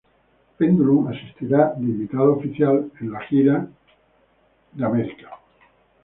Pendulum asistirá de invitado oficial en la gira de Estados Unidos.